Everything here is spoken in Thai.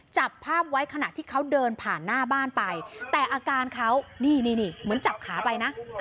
จับภาพไว้ขณะที่เขาเดินผ่านหน้าบ้านไปแต่อาการเขานี่นี่เหมือนจับขาไปนะ